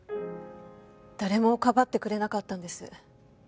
誰も庇ってくれなかったんです